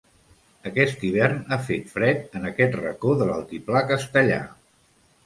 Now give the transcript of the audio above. Aquest hivern ha fet fred en aquest racó de l’altiplà castellà.